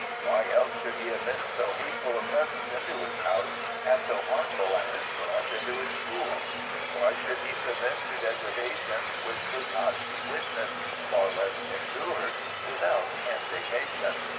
Why else should he admit so hateful a presence into his house and so harmful an influence into his school? Why should he submit to degradations which could not be witnessed, far less endured, without indignation?